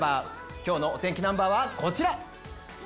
今日のお天気ナンバーはこちら！